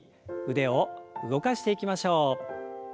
腕を動かしていきましょう。